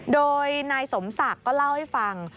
โดยนายสมศักดิ์ก็เล่าให้ฟัง